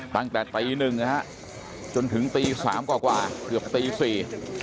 ตั้งแต่ตีหนึ่งนะฮะจนถึงตีสามกว่ากว่าเกือบตีสี่